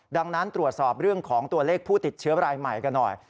ดังนั้นตรวจสอบเรื่องของตัวเลขผู้ติดเชื้อรายใหม่กันหน่อย